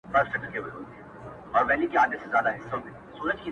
• لکه پل غوندي په لار کي پاتېده دي -